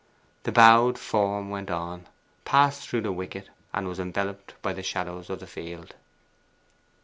The bowed form went on, passed through the wicket, and was enveloped by the shadows of the field.